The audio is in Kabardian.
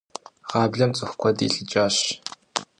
Гъаблэм цӏыху куэд илӏыкӏащ.